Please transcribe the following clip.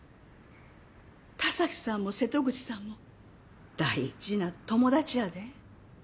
田崎さんも瀬戸口さんも大事な友達やで。